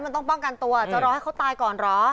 มันต้องป้องกันตัวจะรอให้เขาตายก่อนเหรอ